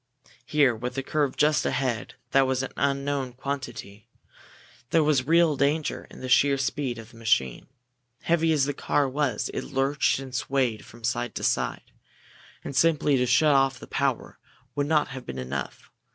Here, with a curve just ahead that was an unknown quantity, there was real danger in the sheer speed of the machine. Heavy as the car was, it lurched and swayed from side to side. And simply to shut off the power would not have been enough.